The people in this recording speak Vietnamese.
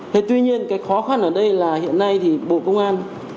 thế tuy nhiên cái khó khăn ở đây là hiện nay thì bộ công an